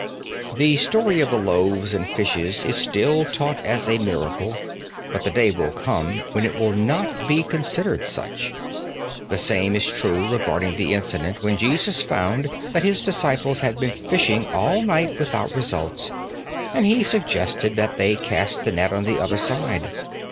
The story of the loaves and fishes is still taught as a miracle, but the day will come when it will not be considered such. The same is true regarding the incident when Jesus found that His disciples had been fishing all night without results and He suggested that they cast the net on the other side.